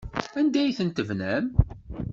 Anda ay tent-tebnam?